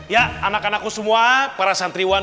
ya anak anakku semua para santriwan